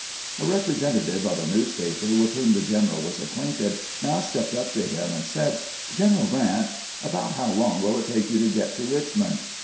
A representative of a newspaper, with whom the general was acquainted, now stepped up to him and said, " General Grant, about how long will it take you to get to Richmond